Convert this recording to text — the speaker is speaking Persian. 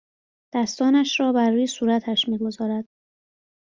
دستانش را بر روی صورتش میگذارد